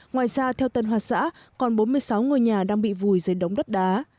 ngoài ra theo tân hoa xã còn bốn mươi sáu ngôi nhà đang bị vùi dưới đống đất đá